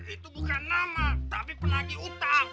itu bukan nama tapi penagih utang